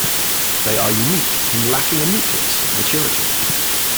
They are unique in lacking a nucleus at maturity.